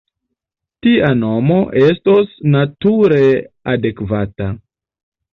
Tia nomo estos nature adekvata.